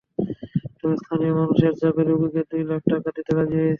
তবে স্থানীয় মানুষের চাপে রোগীকে দুই লাখ টাকা দিতে রাজি হয়েছি।